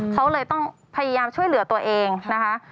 เขาเลยต้องพยายามช่วยเหลือตัวเองนะคะ